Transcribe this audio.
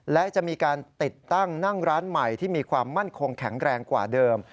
และจะมีการติดตั้งนั่งร้านใหม่ที่มีความมั่นคงแข็งแรงกว่าเดิม